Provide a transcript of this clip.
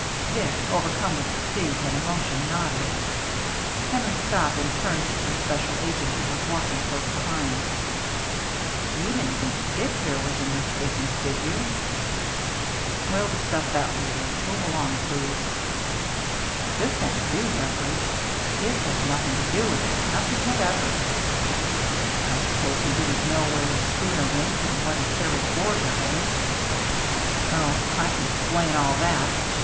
Dick, overcome with fatigue and emotion, nodded. Henry stopped and turned to the special agent, who was walking close behind. " You didn't think Dick here was in this business, did you ?" "We'll discuss that later. Move along, please." " But this won't do, Beveridge. Dick has nothing to do with it, nothing whatever." " I suppose he didn't know where his schooner went and what he carried aboard her, eh?" HARBOR LIGHTS 375 " Oh, I can explain all that.